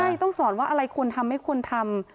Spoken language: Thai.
ใช่ต้องสอนว่าอะไรควรทำไม่ควรทำ